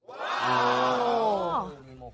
อาอะ